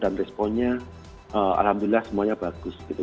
dan responnya alhamdulillah semuanya bagus gitu